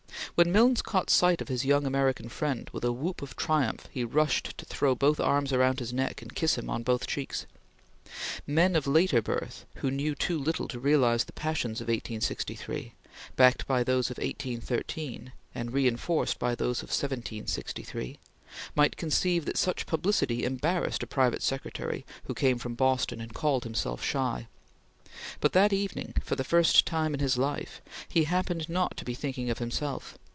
When Milnes caught sight of his young American friend, with a whoop of triumph he rushed to throw both arms about his neck and kiss him on both cheeks. Men of later birth who knew too little to realize the passions of 1863 backed by those of 1813 and reenforced by those of 1763 might conceive that such publicity embarrassed a private secretary who came from Boston and called himself shy; but that evening, for the first time in his life, he happened not to be thinking of himself.